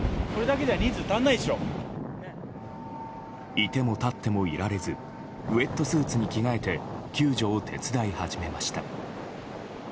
いても立ってもいられずウェットスーツに着替えて救助を手伝い始めました。